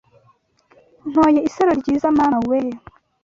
Ntoye isaro ryiza mama weee